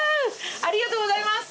ありがとうございます。